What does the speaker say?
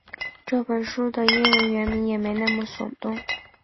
这本书的英文原名也没那么耸动